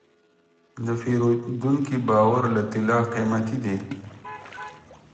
د پیرودونکي باور له طلا قیمتي دی.